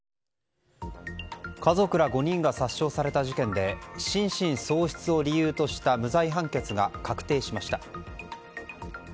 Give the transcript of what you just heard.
家族ら５人が殺傷された事件で心神喪失を理由とした無罪判決が確定しました。